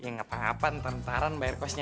ya gapapa ntar ntaran bayar kosnya